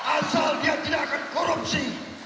asal dia tidak akan korupsi